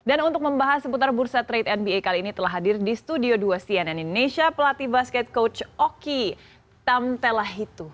dan untuk membahas seputar bursa trade nba kali ini telah hadir di studio dua cnn indonesia pelatih basket coach oki tamtelahitu